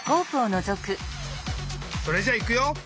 それじゃいくよ！